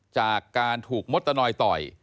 จากการถูกมดตะนอยต่อย